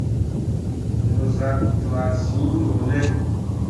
Mo zak cuah sin no ne ?